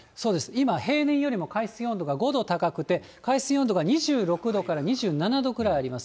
今、平年よりも海水温度が５度高くて、海水温度が２６度から２７度くらいあります。